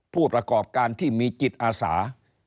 ผู้ประกอบการที่มีจิตอาสา